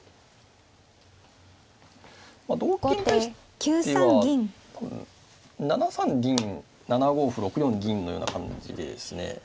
同桂に対しては７三銀７五歩６四銀のような感じでですね